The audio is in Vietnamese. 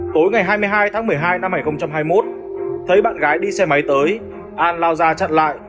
tối ngày hai mươi hai tháng một mươi hai năm hai nghìn hai mươi một thấy bạn gái đi xe máy tới an lao ra chặn lại